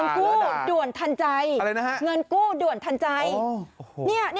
ด่าเลยด่าอะไรนะฮะเงินกู้ด่วนทันใจด่าแล้วด่า